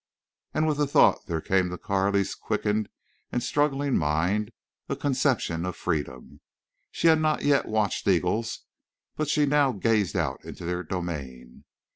And with the thought there came to Carley's quickened and struggling mind a conception of freedom. She had not yet watched eagles, but she now gazed out into their domain.